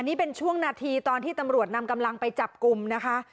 นี่เป็นช่วงนาทีตอนที่ตำรวจนำกำลังไปจับกลุ่มนะคะ